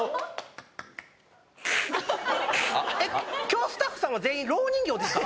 今日スタッフさんは全員蝋人形ですか？